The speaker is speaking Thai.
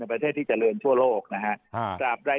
ประเทศที่เจริญทั่วโลกนะครับ